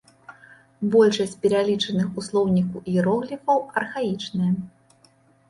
Большасць пералічаных у слоўніку іерогліфаў архаічныя.